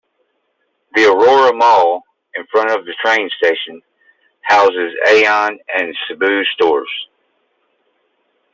The Aurora Mall, in front of the train station, houses Aeon and Seibu stores.